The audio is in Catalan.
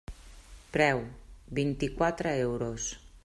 Preu: vint-i-quatre euros.